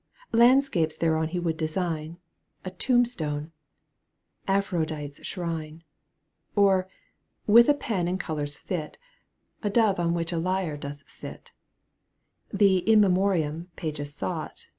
Landscapes thereon he would design, A tombstone. Aphrodite's shrine. Or, with a pen and colours fit, A dove which on a lyre doth sit ; The "in memoriam" pages sought.